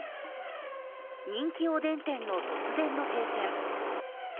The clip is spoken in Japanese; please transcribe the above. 人気おでん店の突然の閉店。